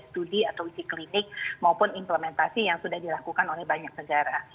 bahkan juga dengan berbagai studi atau usi klinik maupun implementasi yang sudah dilakukan oleh banyak negara